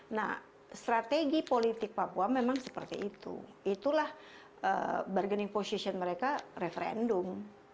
nah strategi politik papua memang seperti itu itulah bargaining position mereka referendum